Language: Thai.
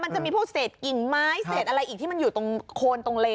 มันจะมีพวกเศษกิ่งไม้เศษอะไรอีกที่มันอยู่ตรงโคนตรงเลน